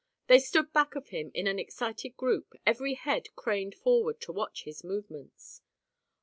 They stood back of him in an excited group, every head craned forward to watch his movements.